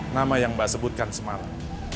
nama yang mbak sebutkan semarang